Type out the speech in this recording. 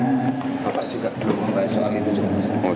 bapak juga belum membahas soal itu juga